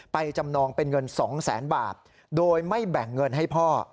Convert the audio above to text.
จำนองเป็นเงิน๒แสนบาทโดยไม่แบ่งเงินให้พ่อ